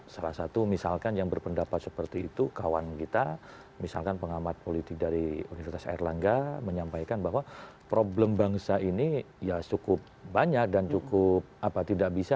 salah satu misalkan yang berpendapat seperti itu kawan kita misalkan pengamat politik dari universitas erlangga menyampaikan bahwa problem bangsa ini ya cukup banyak dan cukup tidak bisa